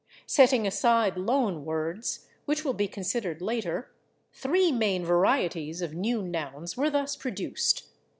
Setting aside loan words, which will be considered later, three main varieties of new nouns were thus produced.